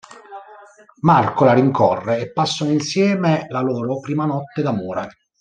Marco la rincorre e passano insieme la loro prima notte d'amore.